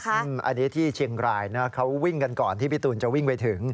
อันนี้ที่เชียงรายนะเขาวิ่งกันก่อนที่พี่ตูนจะวิ่งไปถึง